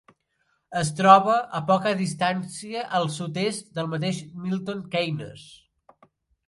Es troba a poca distància al sud-est del mateix Milton Keynes.